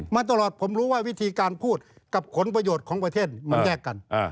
มาตลอดผมรู้ว่าวิธีการพูดกับผลประโยชน์ของประเทศมันแยกกัน